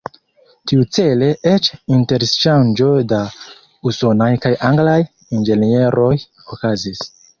Tiucele eĉ interŝanĝo da usonaj kaj anglaj inĝenieroj okazis.